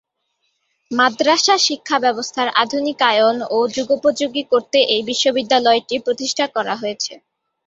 মাদ্রাসা শিক্ষাব্যবস্থার আধুনিকায়ন ও যুগোপযোগী করতে এই বিশ্ববিদ্যালয়টি প্রতিষ্ঠা করা হয়েছে।